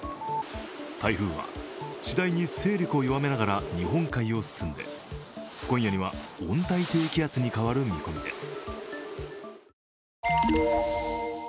台風は次第に勢力を弱めながら日本海を進んで、今夜には、温帯低気圧に変わる見込みです。